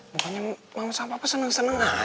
bukannya mama sama papa seneng seneng aja ya